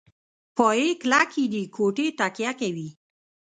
پایې کلکې دي کوټې تکیه کوي.